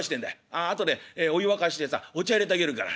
後でお湯沸かしてさお茶いれてあげるから」。